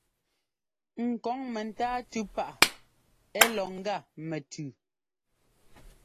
Ŋ kɔŋ mɛntáa tʉ́ paʼ ɛ́ lɔ ŋ́gá mɛtʉʉ.